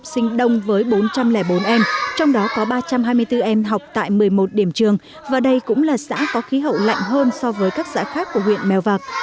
trường mầm non lũng pù là một trong những trường có số học sinh đông với bốn trăm linh bốn em trong đó có ba trăm hai mươi bốn em học tại một mươi một điểm trường và đây cũng là xã có khí hậu lạnh hơn so với các xã khác của huyện mèo vạc